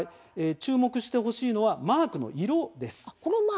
注目してほしいのはマークの色です。